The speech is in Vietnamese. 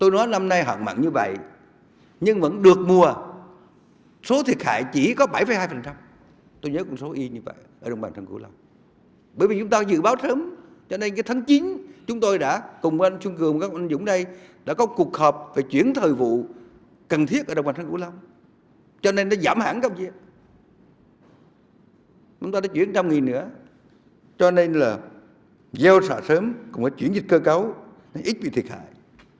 cho nên là gieo xả sớm cũng có chuyển dịch cơ cấu ít bị thiệt hại